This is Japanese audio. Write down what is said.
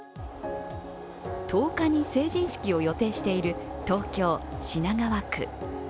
１０日に成人式を予定している東京・品川区。